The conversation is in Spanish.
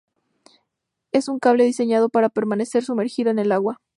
Es un cable diseñado para permanecer sumergido en el agua.